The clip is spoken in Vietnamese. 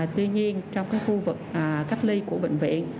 tuy nhiên trong khu vực cách ly của bệnh viện